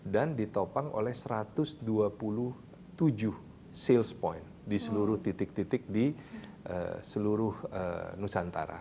dan ditopang oleh satu ratus dua puluh tujuh sales point di seluruh titik titik di seluruh nusantara